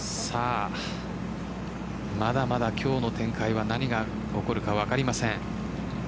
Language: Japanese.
まだまだ今日の展開は何が起こるか分かりません。